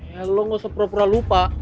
ya lo gak usah pura pura lupa